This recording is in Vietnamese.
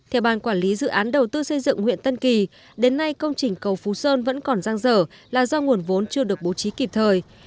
theo ban quản lý dự án đầu tư xây dựng huyện tân kỳ đến nay công trình cầu phú sơn vẫn còn giang dở là do nguồn vốn chưa được bố trí kịp thời